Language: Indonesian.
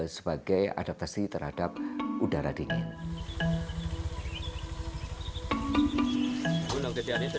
sebagai adaptasi terhadap udara dingin